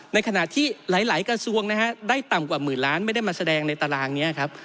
ในขณะที่หลายกระทรวงนะฮะได้ต่ำกว่าหมื่นล้านไม่ได้มาแสดงในตารางนี้ครับ